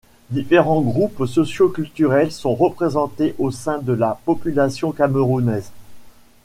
Différents groupes socioculturels sont représentés au sein de la population camerounaise.